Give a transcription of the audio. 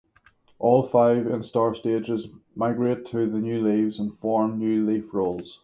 All five instar stages migrate to the new leaves and form new leaf rolls.